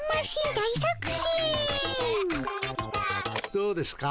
どうですか？